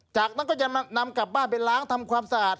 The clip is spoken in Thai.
จากนั้นก็จะนำกลับบ้านไปล้างทำความสะอาด